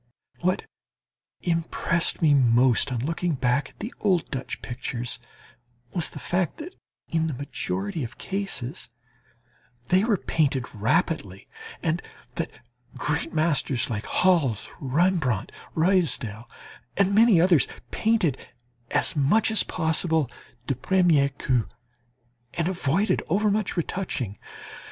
...What impressed me most on looking back at the old Dutch pictures, was the fact that in the majority of cases they were painted rapidly, and that great masters like Hals, Rembrandt, Ruysdael, and many others, painted as much as possible du premier coup and avoided overmuch retouching.